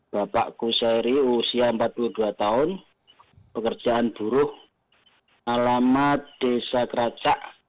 bapak kuseri usia empat puluh dua tahun pekerjaan buruh alamat desa keracak